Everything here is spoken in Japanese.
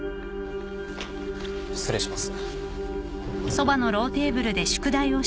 失礼します。